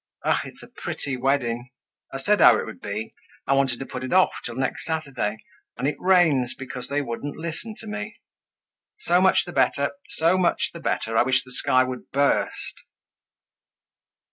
Ah! it's a pretty wedding! I said how it would be. I wanted to put it off till next Saturday; and it rains because they wouldn't listen to me! So much the better, so much the better! I wish the sky would burst!"